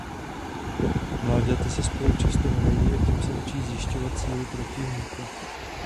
Mláďata si spolu často hrají a tím se učí zjišťovat sílu protivníka.